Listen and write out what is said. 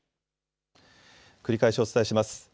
繰り返しお伝えします。